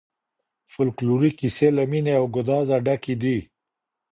فولکلوري کیسې له مینې او ګدازه ډکي دي.